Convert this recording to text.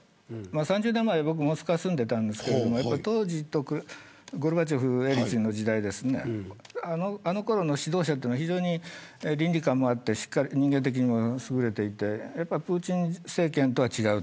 ３０年前に、モスクワに住んでいたんですけど当時のゴルバチョフエリツィンの時代あのころの指導者は倫理感もあって人間的にもすぐれていてプーチン政権とは違う。